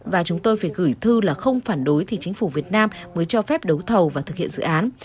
và chúng tôi phải gửi thư là không phản đối thì chính phủ việt nam mới cho phép đấu thầu và thực hiện dự án